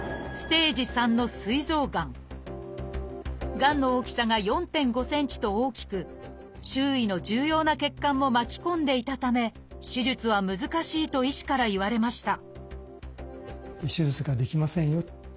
結果はがんの大きさが４．５ｃｍと大きく周囲の重要な血管も巻き込んでいたため手術は難しいと医師から言われました